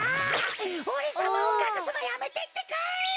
おれさまをかくすのやめてってか！